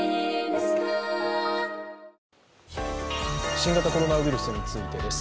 新型コロナウイルスについてです。